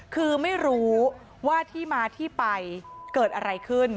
คือไม่รู้ว่าที่มาที่ไปเกิดอะไรขึ้น